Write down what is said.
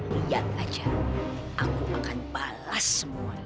liat aja aku akan balas semua ini